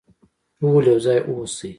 ټول يو ځای اوسئ.